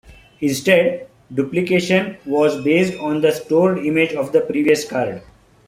Instead, duplication was based on the stored image of the previous card.